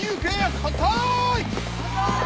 反対！